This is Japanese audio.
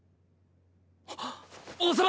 王様！